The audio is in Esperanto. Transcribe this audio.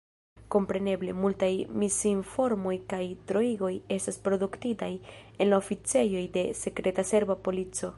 Kompreneble, multaj misinformoj kaj troigoj estas produktitaj en la oficejoj de sekreta serba polico.